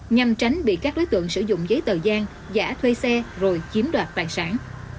nhằm tránh bị các đối tượng sử dụng giấy tờ giang giả thuê xe rồi chiếm đoạt tài sản